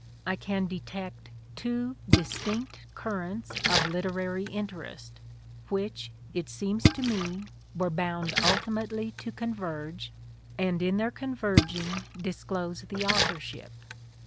I can detect two distinct currents of literary interest, which, it seems to me, were bound ultimately to converge, and in their converging disclose the authorship.